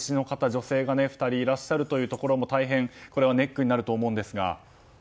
女性が２人いらっしゃることも大変これはネックになると思うんですが。